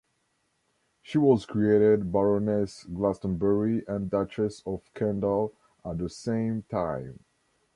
She was created Baroness Glastonbury and Duchess of Kendal at the same time.